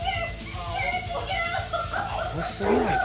アホすぎないか？